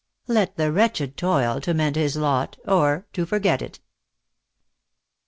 Let the wretched toil to mend his lot, or to format it.